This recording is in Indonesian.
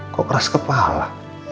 kok keras kepala